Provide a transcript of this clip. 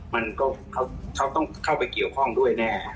มันก็เขาต้องเข้าไปเกี่ยวข้องด้วยแน่